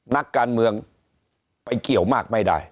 นักการเมืองไปเกี่ยวมากไม่ได้